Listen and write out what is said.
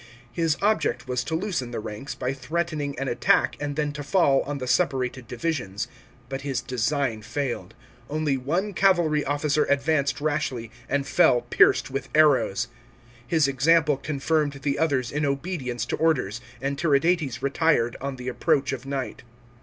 H>s object was to loosen the ranks, by threatening an attack, and then to fall on the separated divisions. But his design fail d. Only one cavalry officer advanced rashly, and fell pierced with arrows. His example confirmed the others in obedience to orders, and Tiridates retired on the approach of night.